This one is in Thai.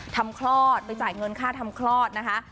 คลอดไปจ่ายเงินค่าทำคลอดนะคะ